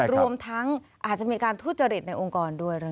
รวมทั้งอาจจะมีการทุจริตในองค์กรด้วย